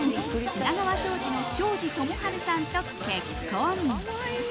品川庄司の庄司智春さんと結婚。